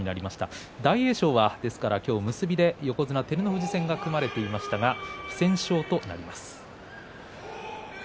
大栄翔はですから今日は結びで横綱照ノ富士戦が組まれましたが不戦勝となりました。